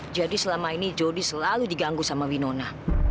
jadi selama ini jody selalu diganggu sama binona